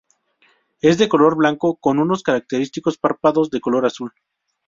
Es de color blanco con unos característicos párpados de color azul.